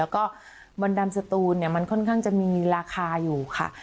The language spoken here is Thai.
ก็บอนดำซูนเนี่ยมันค่อนข้างจะมีราคาอยู่ค่ะ